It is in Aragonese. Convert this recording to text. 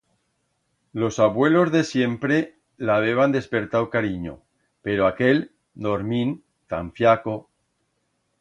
Los avuelos de siempre l'habeban despertau carinyo, pero aquel, dormind, tan fllaco...